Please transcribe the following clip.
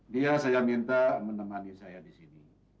dia saya minta menemani saya di sini